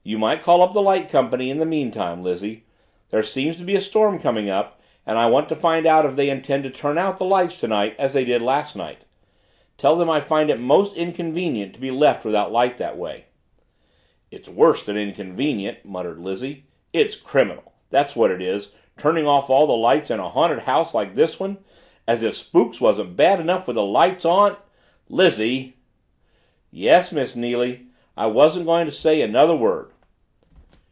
"You might call up the light company in the meantime, Lizzie there seems to be a storm coming up and I want to find out if they intend to turn out the lights tonight as they did last night. Tell them I find it most inconvenient to be left without light that way." "It's worse than inconvenient," muttered Lizzie, "it's criminal that's what it is turning off all the lights in a haunted house, like this one. As if spooks wasn't bad enough with the lights on " "Lizzie!" "Yes, Miss Neily I wasn't going to say another word."